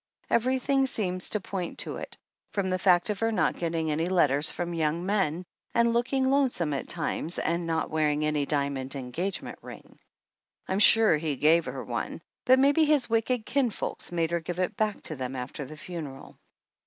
Every thing seems to point to it, from the fact of her not getting any letters from young men and looking lonesome at times and not wearing any 150 . THE ANNALS OF ANN diamond engagement ring. I'm sure he gave her one, but maybe his wicked kinfolks made her give it back to them after the funeral.